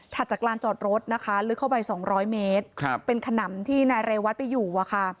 จากลานจอดรถนะคะลึกเข้าไป๒๐๐เมตรเป็นขนำที่นายเรวัตไปอยู่อะค่ะ